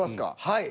はい。